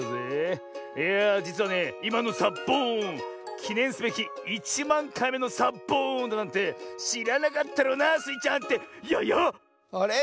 いやあじつはねいまのサッボーンきねんすべき１まんかいめのサッボーンだなんてしらなかったろうなスイちゃんってややっ⁉あれ？